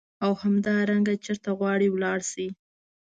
او همدارنګه چیرته غواړې ولاړ شې.